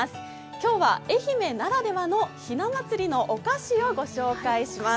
今日は愛媛ならではのひな祭りのお菓子をご紹介します。